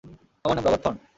আমার নাম Robert thorn.